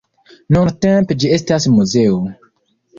Nuntempe ĝi estas muzeo.